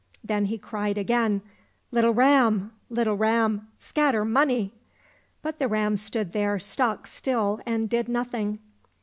Then he cried again, " Little ram, little ram, scatter money !"— But the ram stood there stock still and did nothing.